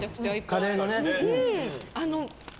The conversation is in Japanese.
カレーのね。